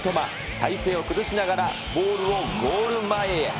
体勢を崩しながら、ボールをゴール前へ。